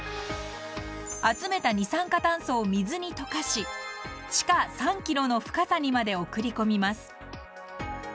集めた二酸化炭素を水に溶かし地下３ｋｍの深さにまで送り込みます